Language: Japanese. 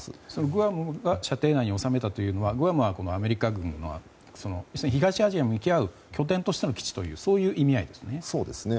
グアムを射程内に収めたというのはグアムはアメリカ軍要するに、東アジアに向き合う拠点としての基地という意味合いですね。